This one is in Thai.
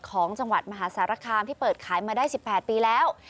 ของจังหวัดมหาสารคามที่เปิดขายมาได้๑๘ปีแล้ว